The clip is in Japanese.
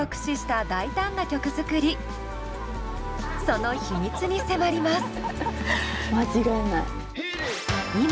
その秘密に迫ります。